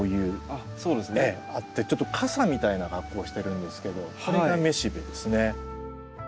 ちょっと笠みたいなかっこをしてるんですけどこれが雌しべですね。